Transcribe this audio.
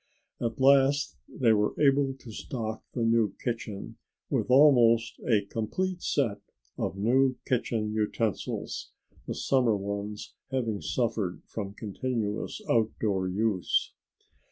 At last they were able to stock the new kitchen with almost a complete set of new kitchen utensils, the summer ones having suffered from continuous outdoor use.